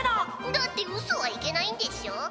「だってうそはいけないんでしょ？」。